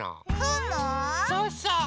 そうそう。